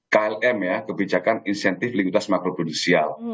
klm ya kebijakan insentif lingkupan makro produksial